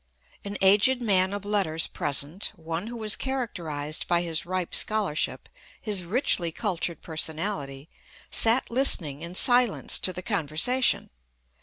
An aged man of letters present, one who was characterized by his ripe scholarship, his richly cultured personality, sat listening in silence to the conversation.